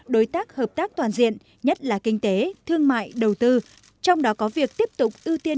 đối tác hợp tác toàn diện nhất là kinh tế thương mại đầu tư trong đó có việc tiếp tục ưu tiên